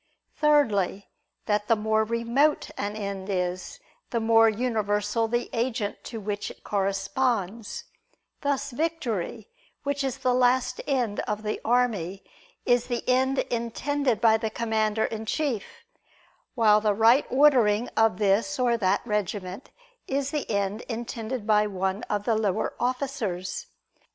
Thirdly, that the more remote an end is, the more universal the agent to which it corresponds; thus victory, which is the last end of the army, is the end intended by the commander in chief; while the right ordering of this or that regiment is the end intended by one of the lower officers.